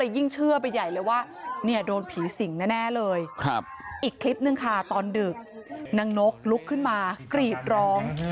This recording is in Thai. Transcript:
ยิ่งเชื่อไปใหญ่เลยว่าเนี่ยโดนผีสิงแน่เลยอีกคลิปนึงค่ะตอนดึกนางนกลุกขึ้นมากรีดร้อง